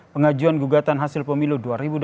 pengajuan gugatan hasil pemilu